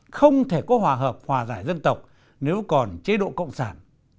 không thể có hòa hợp hòa giải dân tộc nếu còn chế độ cộng sản